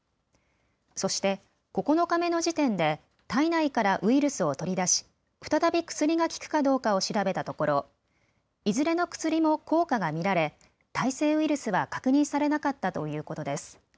そして９日目の時点で体内からウイルスを取り出し再び薬が効くかどうかを調べたところ、いずれの薬も効果が見られ耐性ウイルスは確認されなかったということです。